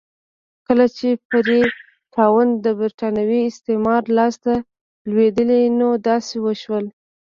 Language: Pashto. کله چې فري ټاون د برېټانوي استعمار لاس ته ولوېد نو داسې وشول.